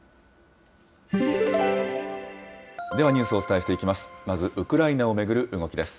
ではニュースをお伝えしていきます。